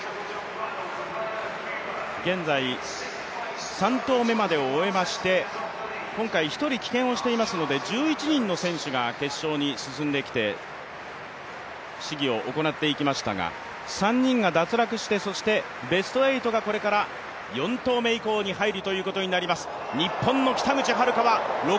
現在、３投目までを終えまして、今回１人棄権をしていますので１１人の選手が決勝に進んできて、試技を行っていきましたが、３人が脱落して、そしてベスト８がこれから明治動したらザバス。